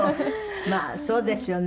まあそうですよね。